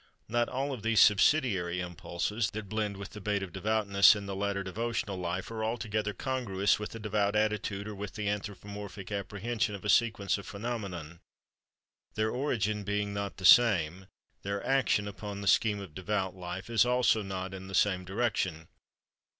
Not all of these subsidiary impulses that blend with the bait of devoutness in the later devotional life are altogether congruous with the devout attitude or with the anthropomorphic apprehension of sequence of phenomena. Their origin being not the same, their action upon the scheme of devout life is also not in the same direction.